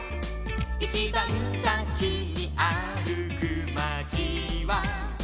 「いちばんさきにあるくまちは」